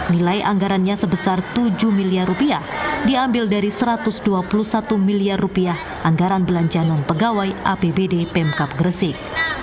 nilai anggarannya sebesar tujuh miliar rupiah diambil dari satu ratus dua puluh satu miliar rupiah anggaran belanjaan penggawai apbd pemkap gersik